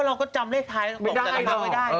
เราก็จำเลขท้ายไม่ได้